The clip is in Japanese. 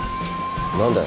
何だよ？